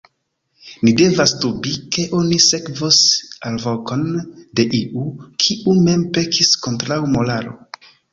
Ni devas dubi, ke oni sekvos alvokon de iu, kiu mem pekis kontraŭ moralo.